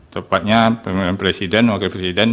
tepatnya pemilihan presiden wakil presiden